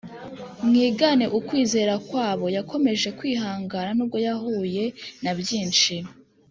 Mwigane ukwizera kwabo Yakomeje kwihangana nubwo yahuye na byinshi